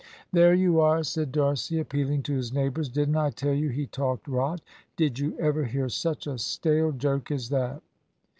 "There you are," said D'Arcy, appealing to his neighbours; "didn't I tell you he talked rot? Did you ever hear such a stale joke as that?"